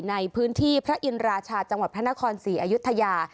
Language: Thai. ในพื้นที่พระอินราชาจังหวัดพระนครศรีอยุธยา